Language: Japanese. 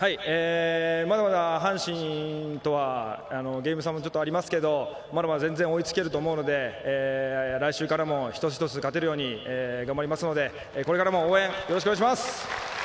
まだまだ阪神とはゲーム差もまだありますけどまだまだ追いつけると思いますので来週からも一つ一つ勝てるように頑張りますのでこれからも応援よろしくお願いします。